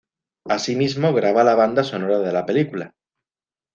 Así mismo graba la banda sonora de la película.